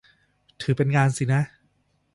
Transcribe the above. ถือเป็นงานสินะ